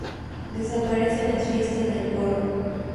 Desaparecen las fiestas del Coro.